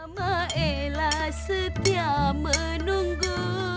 mama ella setia menunggu